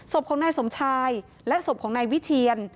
ศพของนายสมชายและศพของนายวิเทียน